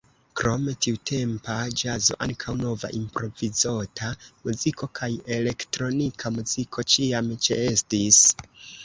Krom tiutempa ĵazo ankaŭ nova improvizota muziko kaj elektronika muziko ĉiam ĉeestis.